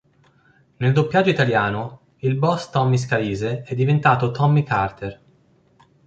Nel doppiaggio italiano, il boss Tommy Scalise, è diventato Tommy Carter.